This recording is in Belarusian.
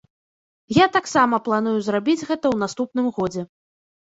Я таксама планую зрабіць гэта ў наступным годзе.